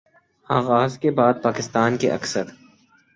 آغاز کے بعد پاکستان کے اکثر